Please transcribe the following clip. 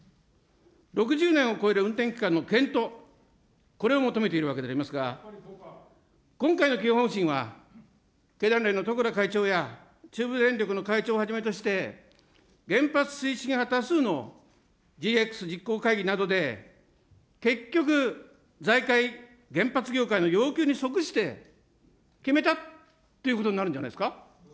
６０年を超える運転期間の検討、これを求めているわけでありますが、今回の基本方針は、経団連の十倉会長や中部電力の会長をはじめとして、原発推進派多数のＧＸ実行会議などで、結局、財界、原発業界の要求に即して決めたっていうことになるんじゃないです